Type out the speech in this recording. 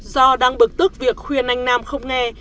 do đang bực tức việc khuyên anh nam không nghe